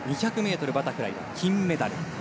２００ｍバタフライ金メダル。